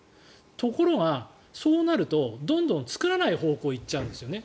ところが、そうなるとどんどん作らない方向に行っちゃうんですね。